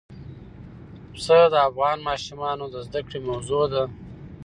پسه د افغان ماشومانو د زده کړې موضوع ده.